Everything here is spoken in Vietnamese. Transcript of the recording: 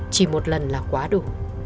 chỉ một lần là quá đủ